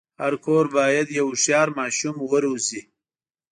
هر کور باید یو هوښیار ماشوم وروزي.